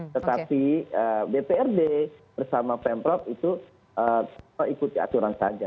tetapi dprd bersama pemprov itu ikuti aturan saja